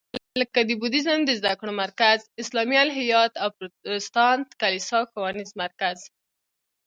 لکه د بودیزم د زده کړو مرکز، اسلامي الهیات او پروتستانت کلیسا ښوونیز مرکز.